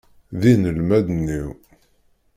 D inelmaden-iw.